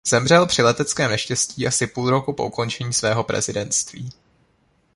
Zemřel při leteckém neštěstí asi půl roku po ukončení svého prezidentství.